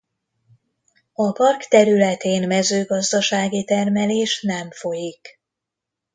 A park területén mezőgazdasági termelés nem folyik.